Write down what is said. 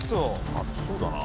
熱そうだな。